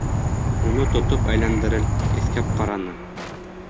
Уны тотоп әйләндерел, еҫкәп ҡараны.